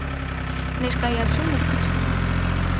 Ներկայացումն սկսվում է։